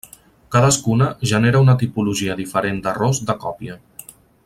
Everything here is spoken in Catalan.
Cadascuna genera una tipologia diferent d'errors de còpia.